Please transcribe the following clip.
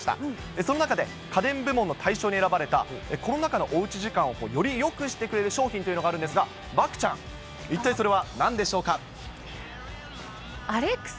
その中で家電部門の大賞に選ばれたコロナ禍のおうち時間をよりよくしてくれる商品というのがあるんですが、漠ちゃん、一体それはアレクサ？